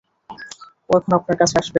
ও এখন আপনার কাছে আসবে।